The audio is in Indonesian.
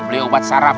beli obat sarap